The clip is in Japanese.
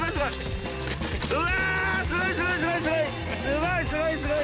うわすごいすごいすごい。